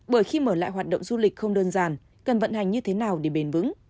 bởi khi mở lại hoạt động du lịch không đơn giản cần vận hành như thế nào để bền vững